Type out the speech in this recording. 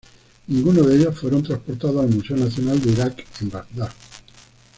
Ninguno de ellos fueron transportados al Museo Nacional de Irak en Bagdad.